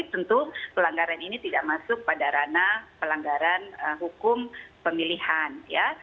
tentu pelanggaran ini tidak masuk pada ranah pelanggaran hukum pemilihan ya